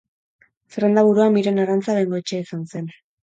Zerrendaburua Miren Arantza Bengoetxea izan zen.